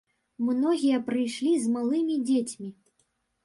Многія прыйшлі з малымі дзецьмі.